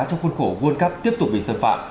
trong khuôn khổ world cup tiếp tục bị xâm phạm